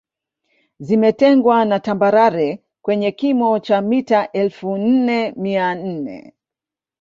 Zimetengwa na tambarare kwenye kimo cha mita elfu nne mia nne